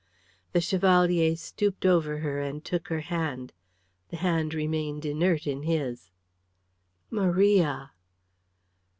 The Chevalier stooped over her and took her hand. The hand remained inert in his. "Maria!"